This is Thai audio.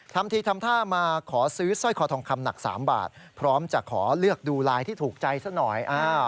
ทำทีทำท่ามาขอซื้อสร้อยคอทองคำหนัก๓บาทพร้อมจะขอเลือกดูลายที่ถูกใจซะหน่อย